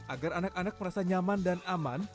agar anak anak merasa nyaman dan aman